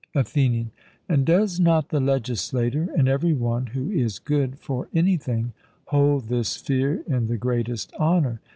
ATHENIAN: And does not the legislator and every one who is good for anything, hold this fear in the greatest honour?